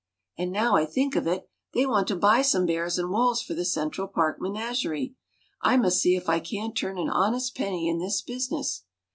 And now I think of it, they want to buy some bears and wolves for the Central Park menagerie. I must see if I can't turn an honest penny in this business."